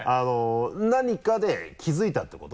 何かで気づいたってこと？